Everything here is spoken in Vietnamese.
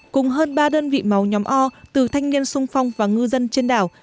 cùng hơn ba đơn vị máu nhóm o từ thanh niên sung phong và ngư dân trên đảo